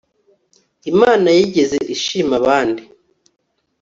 imana yigeze ishima abandi